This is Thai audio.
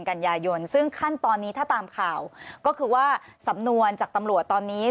กันยายนซึ่งขั้นตอนนี้ถ้าตามข่าวก็คือว่าสำนวนจากตำรวจตอนนี้